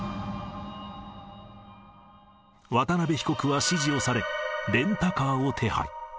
渡邉被告は指示をされ、レンタカーを手配。